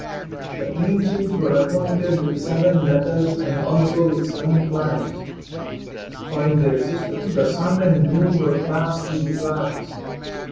The ancients were acquainted with seven metals and also with seven planets,, for in their system the sun and moon were classed with the planets.